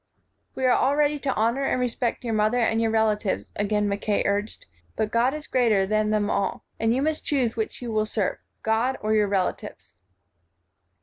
"We are all ready to honor and respect your mother and your relatives," again Mackay urged, "but God is greater than them all, and you must choose which you will serve, God, or your relatives."